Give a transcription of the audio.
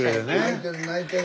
泣いてる泣いてる。